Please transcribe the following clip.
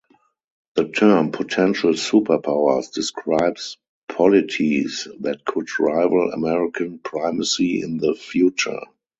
The term "potential superpowers" describes polities that could rival American primacy in the future.